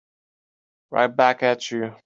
Right back at you.